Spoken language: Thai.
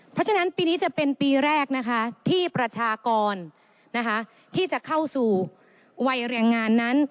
เพราะฉะนั้นปีนี้จะเป็นปีแรกนะคะที่ประชากรที่จะเข้าสู่วัยแรงงานนั้น